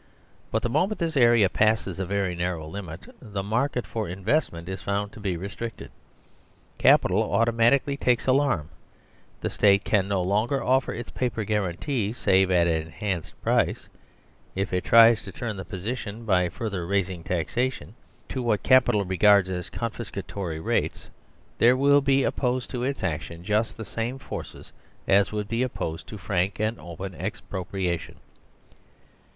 But the moment this area passes a very nar row limit the " market for investment " is found to be re stricted, Capital automatically takes alarm, the State can no longer offer its paper guarantees save at an enhanced price. If it tries to turn the position by further raising taxation to what Capital regards as " confiscatory " rates, there will be opposed to its action just the same forces as would be op posed to frank and open expropriation.